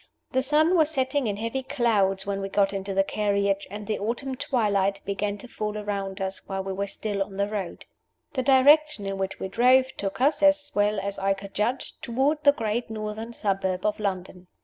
The sun was setting in heavy clouds when we got into the carriage, and the autumn twilight began to fall around us while we were still on the road. The direction in which we drove took us (as well as I could judge) toward the great northern suburb of London.